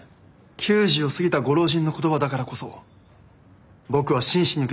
９０を過ぎたご老人の言葉だからこそ僕は真摯に受け止めました。